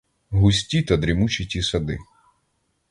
Густі та дрімучі ті сади.